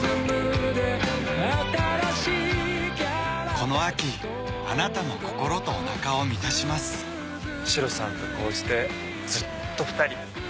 この秋あなたの心とおなかを満たしますシロさんとこうしてずっと２人。